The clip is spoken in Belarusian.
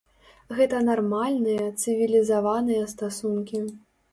Гэта нармальныя, цывілізаваныя стасункі.